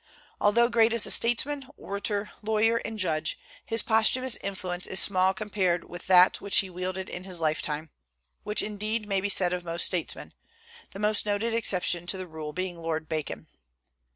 Although great as statesman, orator, lawyer, and judge, his posthumous influence is small compared with that which he wielded in his lifetime, which, indeed, may be said of most statesmen, the most noted exception to the rule being Lord Bacon.